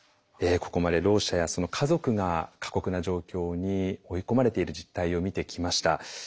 ここまでろう者やその家族が過酷な状況に追い込まれている実態を見てきました。